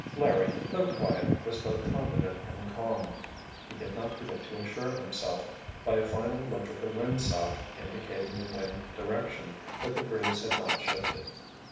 Larry, though quiet, was both confident and calm. He did not forget to assure himself, by a final look at the windsock indicating the wind direction, that the breeze had not shifted.